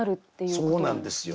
そうなんですよ。